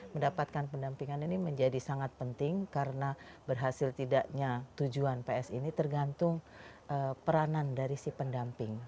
mendapatkan pendampingan ini menjadi sangat penting karena berhasil tidaknya tujuan ps ini tergantung peranan dari si pendamping